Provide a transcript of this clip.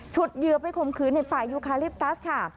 ฉุดเหยื่อไปคมขืนในป่ายุคาลิปตัส